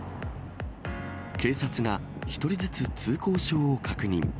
警察が１人ずつ通行証を確認。